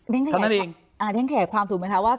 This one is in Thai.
เด้นเขียนความถูกไหมคะว่า